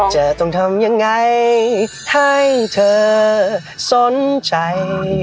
จะต้องทำยังไงให้เธอสนใจ